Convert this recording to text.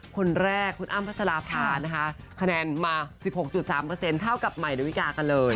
คนแรกคุณอ้ำพัชราภานะคะคะแนนมา๑๖๓เท่ากับใหม่ดาวิกากันเลย